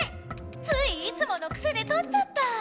ついいつものくせでとっちゃった！